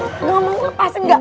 gue gak mau lepas enggak